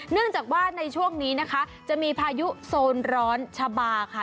เนื่องจากว่าในช่วงนี้นะคะจะมีพายุโซนร้อนชะบาค่ะ